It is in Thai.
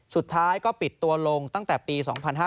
สุดท้ายก็ปิดตัวลงตั้งแต่ปี๒๕๕๙